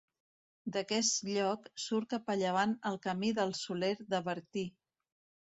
D'aquest lloc surt cap a llevant el Camí del Soler de Bertí.